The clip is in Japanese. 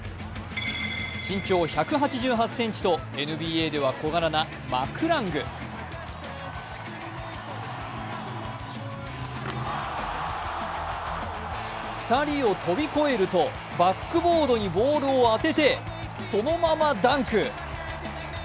身長１８８ｃｍとＮＢＡでは小柄なマクラング２人を飛び越えるとバックボードにボールを当ててそのままダンク。